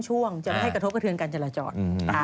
ช่วงจะไม่ให้กระทบกระเทือนการจราจร